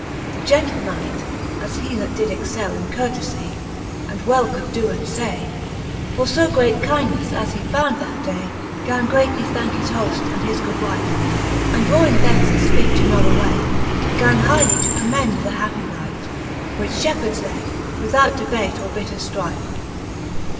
The gentle Knight, as he, that did excell In courtefie, and well could doe and fay. For fo great kindnefle as he found that day, Gan greatly thanke his hoft and his good wife ; And drawing thence his fpeach another way, Gan highly to commend the happie life, Which Shepheards lead, without debate or bitter flrife.